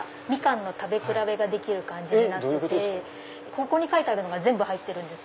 ここに書いてあるのが全部入ってるんです。